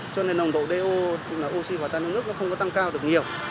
cho nên nồng độ do tức là oxy hòa tan trong nước nó không có tăng cao được nhiều